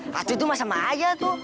masa itu masa ma aja tuh